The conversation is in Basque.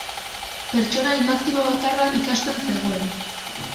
Pertsona inaktibo bakarra ikasten zegoen.